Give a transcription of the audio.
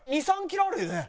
２３キロあるよね？